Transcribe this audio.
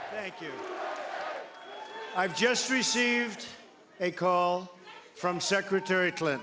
saya baru saja mendapat panggilan dari sekretari clinton